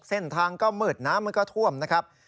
เส้นทางก็มืดน้ำมันก็ท่วมนะครับ